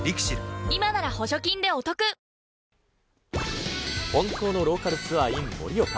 今なら補助金でお得本当のローカルツアーｉｎ盛岡。